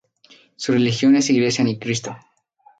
Su religión es Iglesia Ni Cristo.